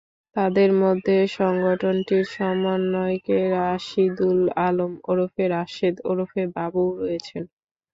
তাঁদের মধ্যে সংগঠনটির সমন্বয়ক রাশিদুল আলম ওরফে রাশেদ ওরফে বাবুও রয়েছেন।